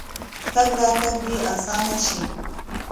تګ راتګ دې اسانه شي.